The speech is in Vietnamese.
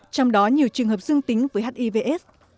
trong đó nhiều trường hợp dương tính với hivs